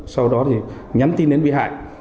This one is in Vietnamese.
sau đó thì nhắn tin đến bị hại